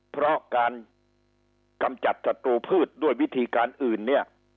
เพราะการกำจัดศัตรูพืชด้วยวิธีการอื่นเนี่ย